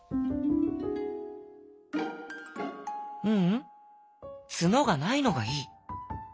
「ううんツノがないのがいい」。